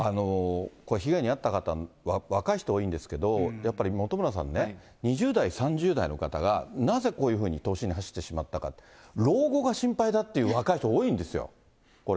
被害に遭った方、若い人多いんですけど、やっぱり本村さんね、２０代、３０代の方がなぜこういうふうに投資に走ってしまったか、老後が心配だっていう若い人多いんですよ、これ。